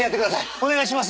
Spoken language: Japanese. お願いします